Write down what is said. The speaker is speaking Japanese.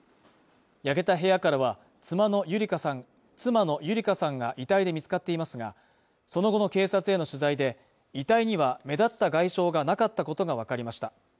焼けた部屋からは、妻の優理香さんが遺体で見つかっていますがその後の警察への取材で、遺体には目立った外傷がなかったことがわかりました。